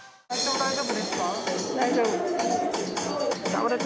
大丈夫。